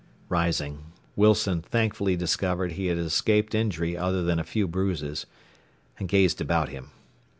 Rising, Wilson thankfully discovered he had escaped injury other than a few bruises, and gazed about him.